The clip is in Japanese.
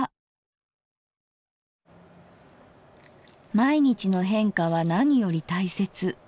「毎日の変化は何より大切。